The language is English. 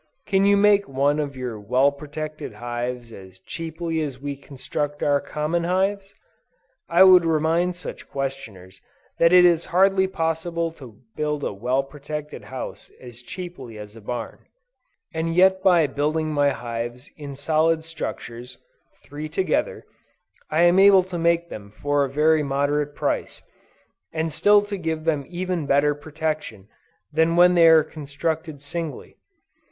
Can you make one of your well protected hives as cheaply as we construct our common hives? I would remind such questioners, that it is hardly possible to build a well protected house as cheaply as a barn. And yet by building my hives in solid structures, three together, I am able to make them for a very moderate price, and still to give them even better protection than when they are constructed singly.